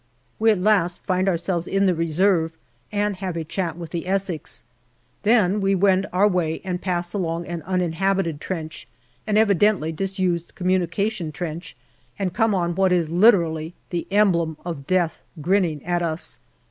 We at last find ourselves in the Reserve, and have a chat with the Essex. Then we wend our way and pass along an uninhabited trench, an evidently disused com munication trench, and come on what is literally the emblem of death grinning at us.